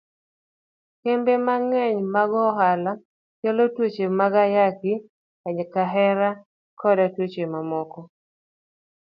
Kembe mang'eny mag ohala kelo tuoche kaka ayaki, kahera, koda tuoche mamoko.